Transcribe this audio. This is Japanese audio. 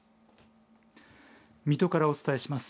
水戸からお伝えします。